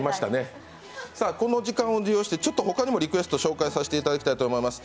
この時間を利用して、他にもリクエスト、紹介したいと思います